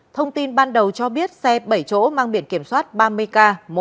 thông tin ban đầu cho biết xe bảy chỗ mang biển kiểm soát ba mươi k một mươi nghìn bốn trăm chín mươi sáu